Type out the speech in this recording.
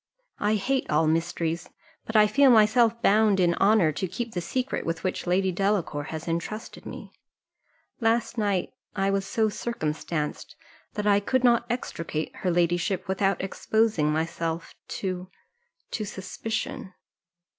I hate all mysteries, but I feel myself bound in honour to keep the secret with which Lady Delacour has entrusted me. Last night I was so circumstanced, that I could not extricate her ladyship without exposing myself to to suspicion."